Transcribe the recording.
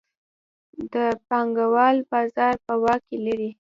دا پانګوال بازار په واک کې لري